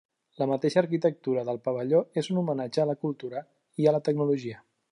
La mateixa arquitectura del pavelló és un homenatge a la cultura i a la tecnologia.